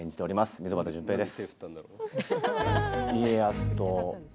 溝端淳平です。